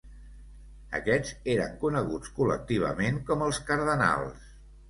Aquests eren coneguts col·lectivament com els cardenals.